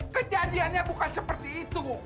kejadiannya bukan seperti itu